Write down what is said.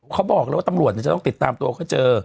เขาบอกแล้วว่าตำรวจจะต้องติดตามตัวเขาเจอ